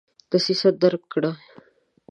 دسیسه درک کړي.